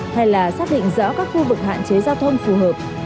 hay là xác định rõ các khu vực hạn chế giao thông phù hợp